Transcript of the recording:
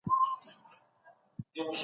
معلوماتو ته د لاسرسي قانون پلی کیده.